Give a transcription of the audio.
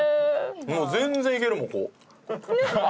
もう全然いけるもんこう。